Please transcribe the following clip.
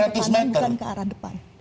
ke depan bukan ke arah depan